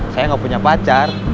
saya gak punya pacar